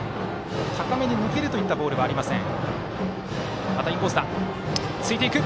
高めに抜けるといったボールはありません。